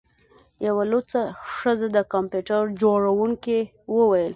یوه لوڅه ښځه د کمپیوټر جوړونکي وویل